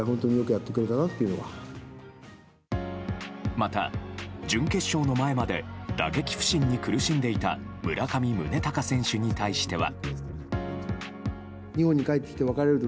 また、準決勝の前まで打撃不振に苦しんでいた村上宗隆選手に対しては。